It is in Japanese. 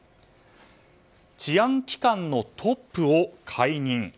治安機関のトップを解任。